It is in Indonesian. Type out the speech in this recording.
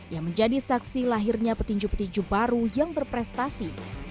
yang menjadi saksi lahirnya petinju petinju baru yang berprestasi